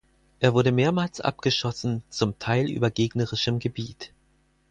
Er wurde mehrmals abgeschossen, zum Teil über gegnerischem Gebiet.